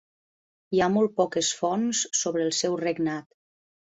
Hi ha molt poques fonts sobre el seu regnat.